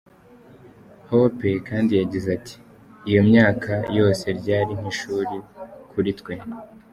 Hope kandi yagize ati: “iyo myaka yose ryari nk’ishuri kuri twe.